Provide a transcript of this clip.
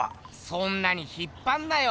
そんなに引っぱんなよ！